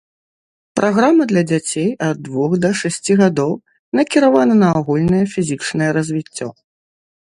Праграма для дзяцей ад двух да шасці гадоў накіравана на агульнае фізічнае развіццё.